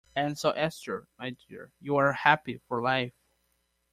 And so Esther, my dear, you are happy for life.